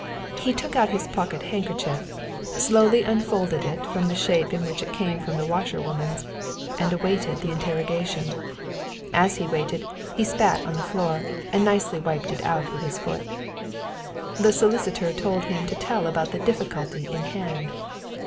He took out his pocket handkerchief, slowly unfolded it from the shape in which it came from the washerwoman's, and awaited the interrogation. As he waited, he spat on the floor, and nicely wiped it out with his foot. The solicitor told him to tell about the difficulty in hand.